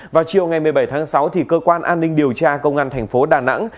vào chiều ngày một mươi bảy tháng sáu cơ quan an ninh điều tra công an thành phố đà nẵng